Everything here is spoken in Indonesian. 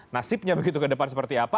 nasibnya begitu ke depan seperti apa